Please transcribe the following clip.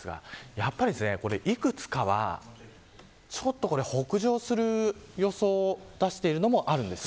やっぱりいくつかは北上する予想を出しているのもあるんです。